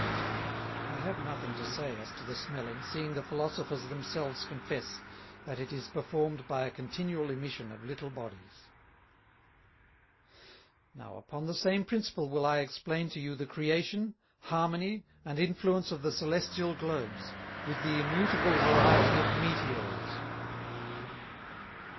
"I have nothing to say, as to the Smelling, seeing the Philosophers themselves confess, that it is performed by a continual Emission of little Bodies. "Now upon the same Principle will I explain to you the Creation, Harmony, and Influence of the Celestial Globes, with the immutable Variety of Meteors."